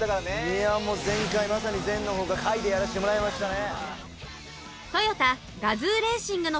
いやもう全開まさに全のほうが開でやらせてもらいましたね。